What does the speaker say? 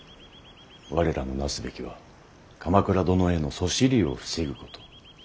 我らのなすべきは鎌倉殿へのそしりを防ぐこと。